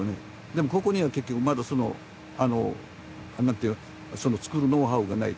でもここにはまだ作るノウハウがない。